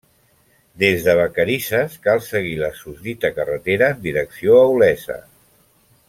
Des de Vacarisses, cal seguir la susdita carretera en direcció a Olesa.